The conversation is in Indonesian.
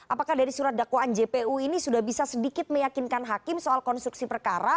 apakah dari surat dakwaan jpu ini sudah bisa sedikit meyakinkan hakim soal konstruksi perkara